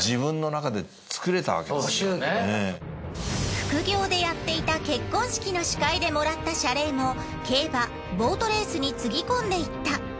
副業でやっていた結婚式の司会でもらった謝礼も競馬ボートレースに注ぎ込んでいった。